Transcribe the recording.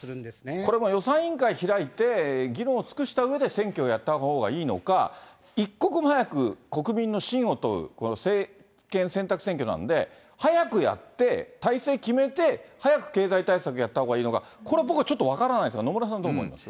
これは予算委員会開いて、議論を尽くしたうえで、選挙をやったほうがいいのか、一刻も早く国民の信を問う、この政権選択選挙なんで、早くやって、体制決めて、早く経済対策やったほうがいいのか、これは僕はちょっと分からないんですが、野村さん、どう思います？